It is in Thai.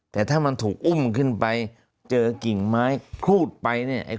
แต่ถ้ามันถูกอุ้มขึ้นไปเจอกิ่งไม้ครูดไปเนี่ย